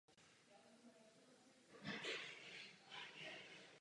Po ukončení závodní činnosti vystudoval Univerzitu v Limoges a stal se sportovním funkcionářem.